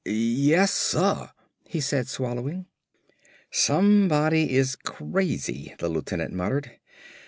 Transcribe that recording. "Yes, suh," he said, swallowing. "Somebody is crazy," the lieutenant muttered.